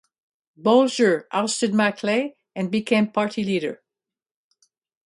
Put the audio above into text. Bolger ousted McLay and became party leader.